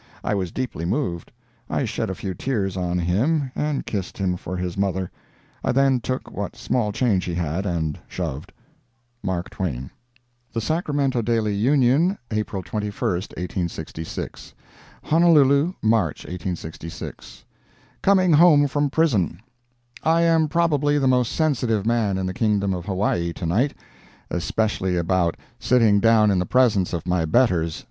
I was deeply moved. I shed a few tears on him and kissed him for his mother. I then took what small change he had and "shoved." MARK TWAIN. The Sacramento Daily Union, April 21, 1866 Honolulu, March, 1866. COMING HOME FROM PRISON I am probably the most sensitive man in the kingdom of Hawaii tonight—especially about sitting down in the presence of my betters.